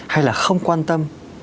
hay là không quan tâm